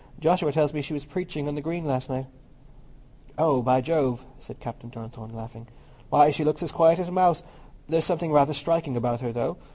Joshua tells me she was preaching on the Green last night." "Oh, by Jove!" said Captain Donnithorne, laughing. "Why, she looks as quiet as a mouse. There's something rather striking about her, though.